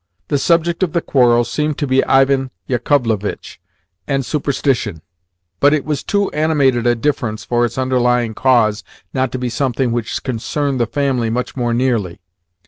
The subject of the quarrel seemed to be Ivan Yakovlevitch and superstition, but it was too animated a difference for its underlying cause not to be something which concerned the family much more nearly.